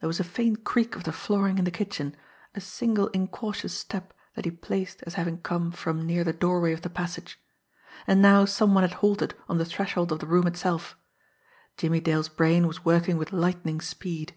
There was a faint creak of the flooring in the kitchen, a single incautious step that he placed as having come from near the doorway of the passage and now some one had halted on the threshold of the room itself. Jimmie Dale's brain was working with lightning speed.